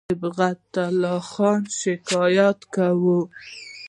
صبغت الله خان شکایت کاوه.